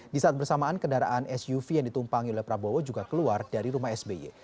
di saat bersamaan kendaraan suv yang ditumpangi oleh prabowo juga keluar dari rumah sby